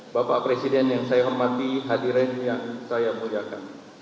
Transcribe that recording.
bapak presiden yang saya hormati hadirin yang saya muliakan